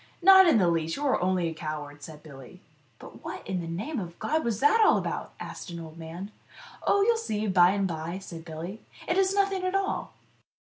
" Not in the least ! You are only a coward," said Billy. "But in the name of God, what is it all about?" asked an old man. " Oh, you'll see by and bye," said Billy ;" it is nothing at all."